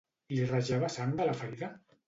Li rajava sang de la ferida?